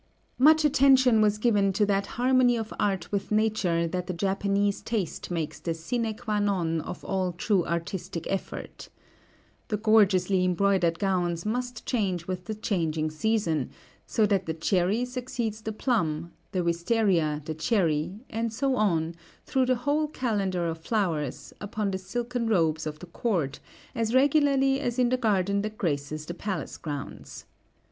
Much attention was given to that harmony of art with nature that the Japanese taste makes the sine qua non of all true artistic effort. The gorgeously embroidered gowns must change with the changing season, so that the cherry succeeds the plum, the wistaria the cherry, and so on through the whole calendar of flowers, upon the silken robes of the court, as regularly as in the garden that graces the palace grounds.